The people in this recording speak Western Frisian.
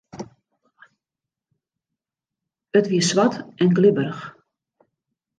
It wie swart en glibberich.